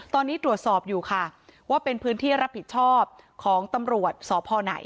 ตอนนี้ตรวจสอบอยู่ค่ะว่าเป็นพื้นที่รับผิดชอบของตำรวจสพไหน